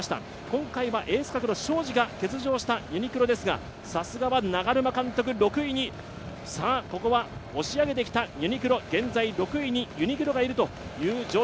今回はエース格の荘司が欠場したユニクロですが、さすがは長沼監督６位にここは押し上げてきたユニクロです。